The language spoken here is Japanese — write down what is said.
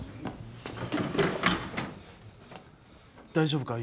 大丈夫か？